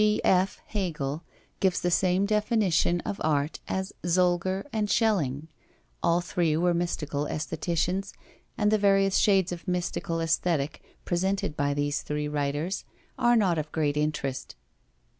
G.G.F. Hegel gives the same definition of art as Solger and Schelling, All three were mystical aestheticians, and the various shades of mystical Aesthetic, presented by these three writers, are not of great interest.